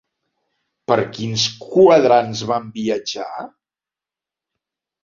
Per quins quadrants van viatjar?